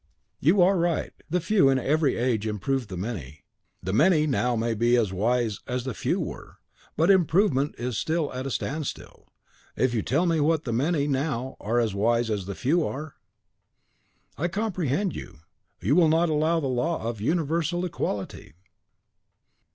"You are right; the few in every age improve the many; the many now may be as wise as the few were; but improvement is at a standstill, if you tell me that the many now are as wise as the few ARE." "I comprehend you; you will not allow the law of universal equality!"